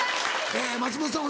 え松本さん